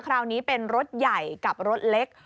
คราวนี้เป็นรถใหญ่กับรถเล็ก